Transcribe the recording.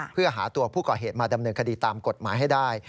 เพื่อหาตัวผู้ก่อเหตุมาดำเนินคดีตามกฎหมายให้ได้